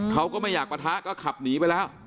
เขาก็ไม่อยากปะทะก็ขับหนีไปแล้ว